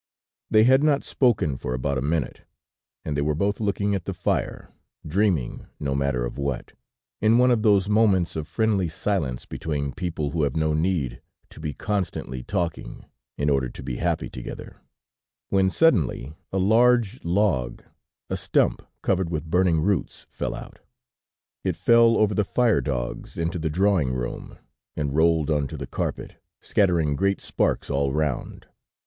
They had not spoken for about a minute, and they were both looking at the fire, dreaming no matter of what, in one of those moments of friendly silence between people who have no need to be constantly talking in order to be happy together, when suddenly a large log, a stump covered with burning roots, fell out. It fell over the fire dogs into the drawing room, and rolled onto the carpet, scattering great sparks all round.